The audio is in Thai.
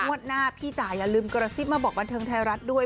หน้าพี่จ่ายอย่าลืมกระซิบมาบอกบันเทิงไทยรัฐด้วย